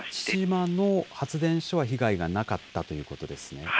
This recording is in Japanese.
父島の発電所は被害がなかったということですね。